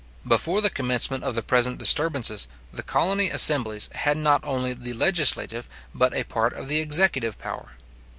Before the commencement of the present disturbances, the colony assemblies had not only the legislative, but a part of the executive power.